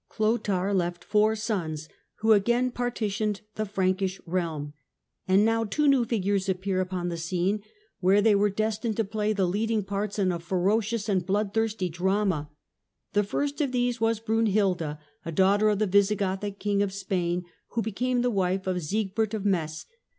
Clotair left four sons, who again partitioned theBrunhiida Frankish realm. And now two new figures appear upon g nda the scene where they are destined to play the leading parts in a ferocious and bloodthirsty 7 drama. The first of these was Brunhilda, a daughter of the Visigothic King of Spain, who became the wife of Siegbert of Metz.